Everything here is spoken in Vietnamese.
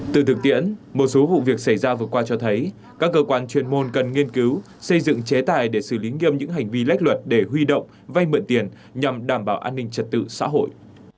từ thực tiễn một số vụ việc xảy ra vừa qua cho thấy các cơ quan chuyên môn cần nghiên cứu xây dựng chế tài để xử lý nghiêm những hành vi lách luật để huy động vay mượn tiền nhằm đảm bảo an ninh trật tự xã hội